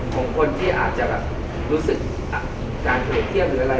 ของคนที่อาจจะรู้สึกการโผล่เทียบหรืออะไร